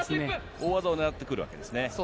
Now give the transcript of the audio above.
大技を狙ってくるんですね。